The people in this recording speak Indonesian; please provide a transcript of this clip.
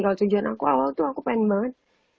kalau tujuan aku awal tuh aku pengen banget